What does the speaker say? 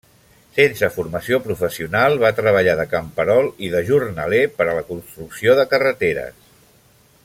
Sense formació professional va treballar de camperol i de jornaler per la construcció de carreteres.